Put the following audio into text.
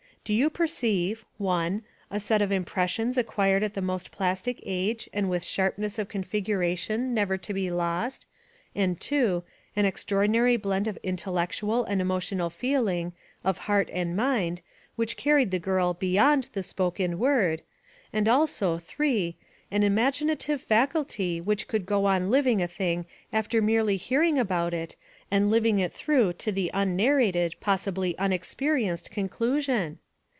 Do you perceive (i) a set of impressions acquired at the most plastic age and with a sharpness of configuration never to be lost and (2) an extraordinary blend of intellectual and emotional feeling of heart and mind which carried the girl beyond the spoken word; and also (3) an im aginative faculty which could go on living a thing after merely hearing about it and living it through to the unnarrated, possibly unexperienced, conclusion?